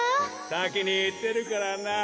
さきにいってるからな。